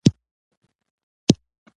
او پسه یې له آزاره وي ژغورلی